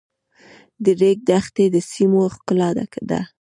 د ریګ دښتې د سیمو ښکلا ده.